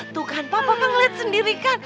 tuh kan papa papa ngeliat sendiri kan